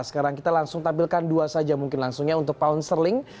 sekarang kita langsung tampilkan dua saja mungkin langsungnya untuk pound sterling